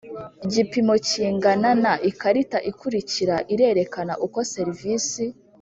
gipimo kingana na Ikarita ikurikira irerekana uko serivisi